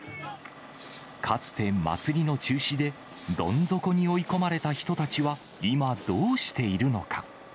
かつて祭りの中止でどん底に追い込まれた人たちは今、どうしているのか。